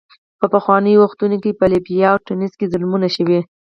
په پخوانیو وختونو کې په لیبیا او تونس کې ظلمونه شوي.